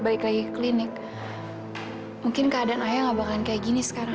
balik lagi klinik mungkin keadaan ayah gak bakalan kayak gini sekarang